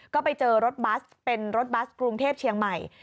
ก็ไปเจอรถบัสเป็นรถบัสกรุงเทพเชียงใหม่